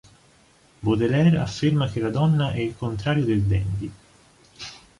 Baudelaire afferma che la donna è il contrario del dandy.